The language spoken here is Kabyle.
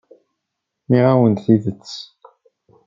Nniɣ-awent-d tidet.